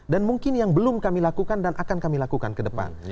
dan mungkin yang belum kami lakukan dan akan kami lakukan ke depan